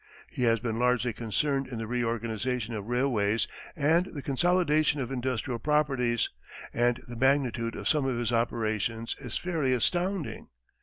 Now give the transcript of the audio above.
He has been largely concerned in the reorganization of railways and the consolidation of industrial properties, and the magnitude of some of his operations is fairly astounding.